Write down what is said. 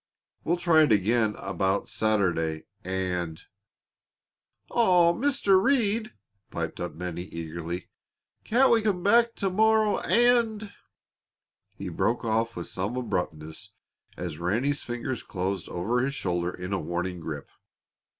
We'll try it again about Saturday, and " "Aw, Mr. Reed," piped up Bennie, eagerly, "can't we come back to morrow and " He broke off with some abruptness as Ranny's fingers closed over his shoulder in a warning grip.